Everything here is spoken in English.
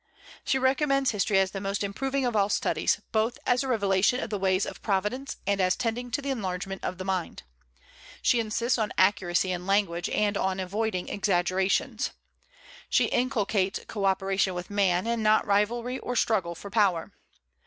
She recommends history as the most improving of all studies, both as a revelation of the ways of Providence and as tending to the enlargement of the mind. She insists on accuracy in language and on avoiding exaggerations. She inculcates co operation with man, and not rivalry or struggle for power.